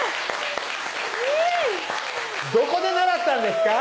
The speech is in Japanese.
どこで習ったんですか？